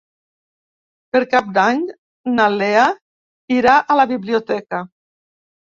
Per Cap d'Any na Lea irà a la biblioteca.